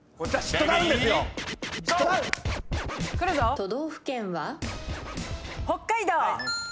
都道府県は？北海道。